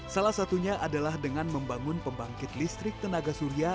salah satunya adalah dengan membangun pembangkit listrik tenaga surya